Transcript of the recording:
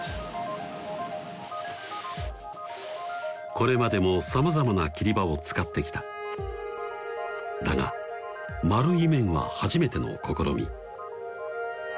これまでもさまざまな切刃を使ってきただが丸い麺は初めての試み